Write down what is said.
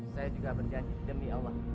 saya juga berjanji demi allah